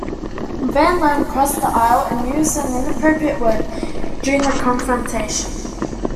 Van Loan crossed the aisle and used an inappropriate word during the confrontation.